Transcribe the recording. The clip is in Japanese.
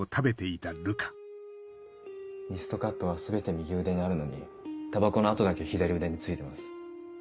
リストカットは全て右腕にあるのにタバコの痕だけ左腕についてます。